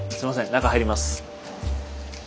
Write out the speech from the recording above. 中入ります。